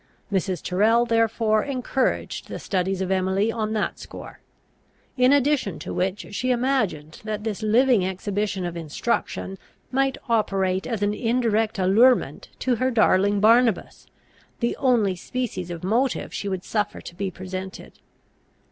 Mrs. Tyrrel therefore encouraged the studies of Emily on that score; in addition to which she imagined that this living exhibition of instruction might operate as an indirect allurement to her darling Barnabas, the only species of motive she would suffer to be presented.